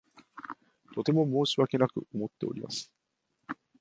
とても申し訳なく思っております。